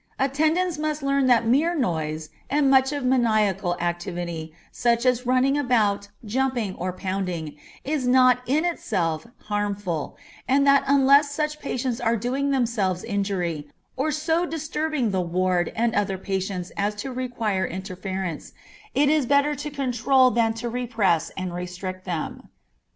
Attendants must learn that mere noise, and much of maniacal activity, such as running about, jumping, or pounding, is not in itself harmful, and that unless such patients are doing themselves injury, or so disturbing the ward and other patients as to require interference, it is better to control than to repress and restrict them.